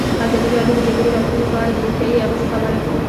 ازادي راډیو د د جګړې راپورونه په اړه د روغتیایي اغېزو خبره کړې.